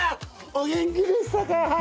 お元気でしたか？